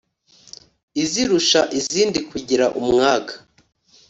izirusha izindi kugira umwaga